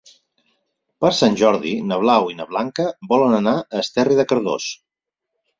Per Sant Jordi na Blau i na Blanca volen anar a Esterri de Cardós.